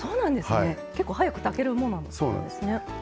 結構早く炊けるものなんですね。